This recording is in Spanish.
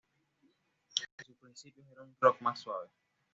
En sus principios era un rock más suave.